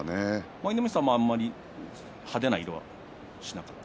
舞の海さんもあまり派手な色はしない。